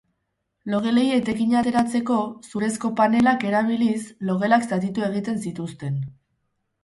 Logelei etekina ateratzeko, zurezko panelak erabiliz, logelak zatitu egiten zituzten.